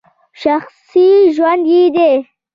شخصي ژوند یې دی !